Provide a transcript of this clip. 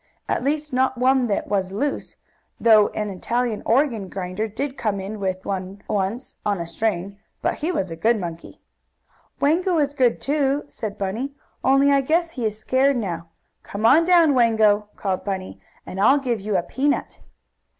At least not one that was loose, though an Italian organ grinder did come in with one once, on a string. But he was a good monkey." "Wango is good, too," said Bunny. "Only I guess he is scared, now. Come on down, Wango!" called Bunny, "and I'll give you a peanut."